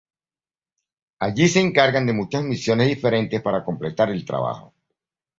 Allí se encargan de muchas misiones diferentes para completar el trabajo.